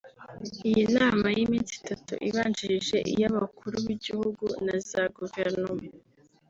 Iyi nama y’iminsi itatu ibanjirije iy’abakuru b’ibihugu na za guverinoma